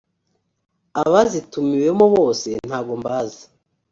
abazitumiwemo bose ntago mbazi.